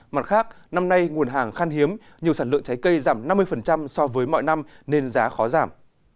mặt khác năm nay nguồn hàng khan hiếm nhiều sản lượng trái cây giảm năm mươi so với mọi năm nên giá khó giảm